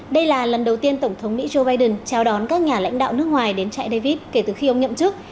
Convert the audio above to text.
đây là lần đầu tiên tổng thống mỹ joe biden chào đón các nhà lãnh đạo nước ngoài đến trại david kể từ khi ông nhậm chức